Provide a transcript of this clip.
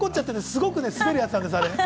すごく滑るやつなんです。